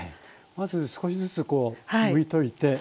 まず少しずつこうむいといて。